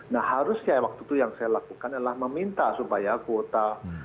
nah harusnya waktu itu yang saya lakukan adalah meminta supaya kuota